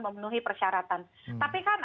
memenuhi persyaratan tapi kan